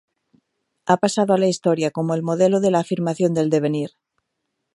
Ha pasado a la historia como el modelo de la afirmación del devenir.